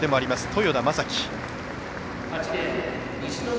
豊田将樹。